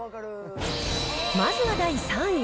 まずは第３位。